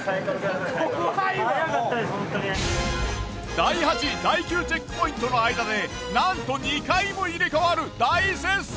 第８第９チェックポイントの間でなんと２回も入れ替わる大接戦。